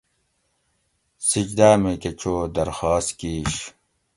سجدہ میکہ چو درخواست کیش